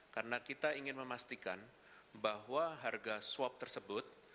karena kita ingin memastikan bahwa harga swab tersebut